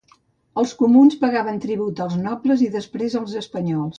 Els comuns pagaven tribut als nobles, i després als espanyols.